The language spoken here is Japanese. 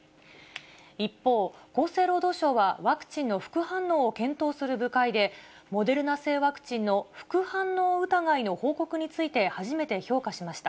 一方、厚生労働省は、ワクチンの副反応を検討する部会で、モデルナ製ワクチンの副反応疑いの報告について、初めて評価しました。